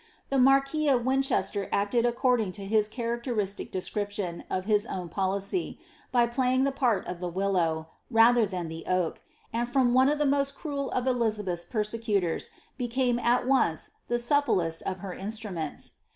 The marquis of Win fhester acted according to his characteristic description of his own policy, by playing the part of the willow, rather than the oak,' and from one of the most cruel of Elizabeth's persecutors, became at once the supplest of her instruments.